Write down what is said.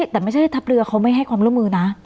แต่ไม่ใช่ทัพเรือเขาไม่ให้ความร่วมมือนะ